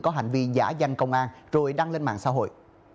có hành vi giả danh công an rồi đăng lên mạng xã hội